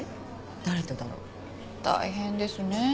大変ですねぇ。